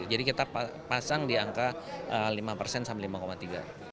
jadi kita pasang di angka lima persen sampai lima tiga